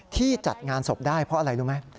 ที่จัดงานศพได้เพราะอะไรรู้ไหม